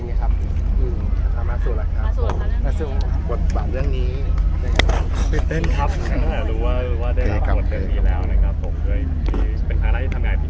เราจะควบคุดกับเรื่องที่นี้